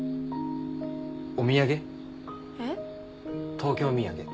東京土産。